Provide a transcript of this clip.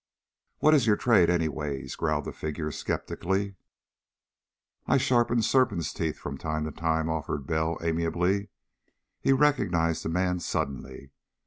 "What is your trade, anyways?" growled the figure skeptically. "I sharpen serpents' teeth from time to time," offered Bell amiably. He recognized the man, suddenly.